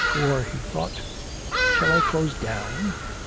"War," he thought. "Shall I close _down?